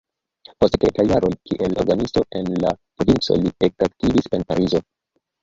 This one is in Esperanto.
Post kelkaj jaroj kiel orgenisto en la provinco li ekaktivis en Parizo.